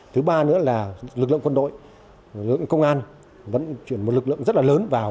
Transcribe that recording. thứ ba nữa là lực lượng quân đội lực lượng công an vẫn chuyển một lực lượng rất là lớn vào